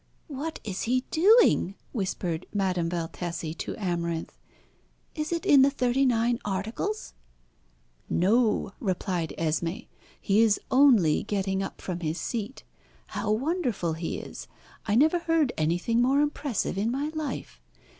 "What is he doing?" whispered Madame Valtesi to Amarinth. "Is it in the thirty nine articles?" "No," replied Esmé; "he is only getting up from his seat. How wonderful he is! I never heard anything more impressive in my life.